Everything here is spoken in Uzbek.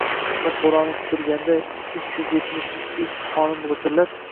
Qismat boʼroni quturganda, uch yuz yetmish ikki ustuxonim gʼichirlab